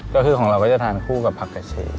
ก็คือของเราก็จะทานคู่กับผักกระเช